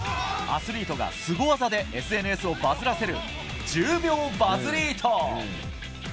アスリートがスゴ技でＳＮＳをバズらせる１０秒バズリート。